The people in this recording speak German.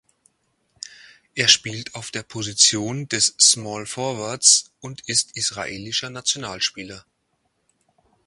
Er spielt auf der Position des Small Forwards und ist israelischer Nationalspieler.